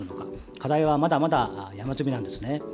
課題はまだまだ山積みなんですね。